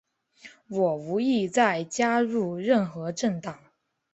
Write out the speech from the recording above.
我无意再加入任何政党。